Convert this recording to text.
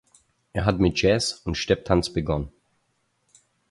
Er hat mit Jazz und Stepptanz begonnen.